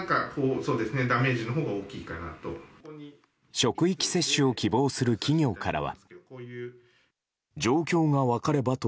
職域接種を希望する企業からは。